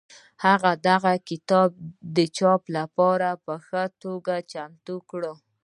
هغه دا کتاب د چاپ لپاره په ښه توګه چمتو کړ.